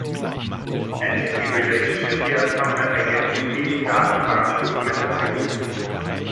Entity-Relationship-Diagramme ergänzen die Datenbankdokumentation.